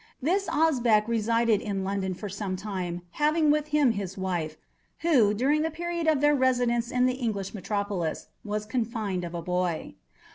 This Osbeck resided in London for some time, having with him his wife, who, during the period of their residence in the English metropolis, was confined of a boy.